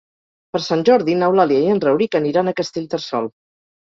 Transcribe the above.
Per Sant Jordi n'Eulàlia i en Rauric aniran a Castellterçol.